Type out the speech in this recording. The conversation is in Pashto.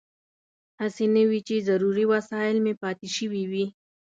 هسې نه وي چې ضروري وسایل مې پاتې شوي وي.